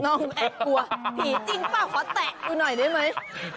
น้องแอบกลัวผีจริงป่ะขอแตะดูหน่อยได้ไหม